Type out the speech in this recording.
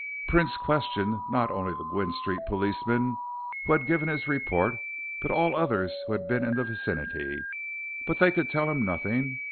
Prince questioned not only the Gwynne Street policeman, who had given his report, but all others who had been in the vicinity. But they could tell him nothing.